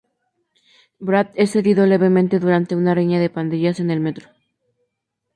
Brad es herido levemente durante una riña de pandillas en el metro.